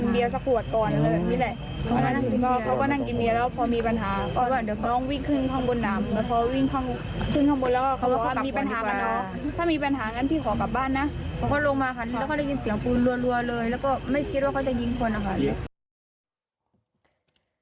บิดแซมน้ำตาคุณน้ำตาคุณน้ำตา